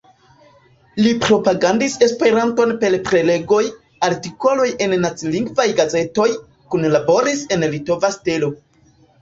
Li propagandis Esperanton per prelegoj, artikoloj en nacilingvaj gazetoj, kunlaboris en "Litova Stelo".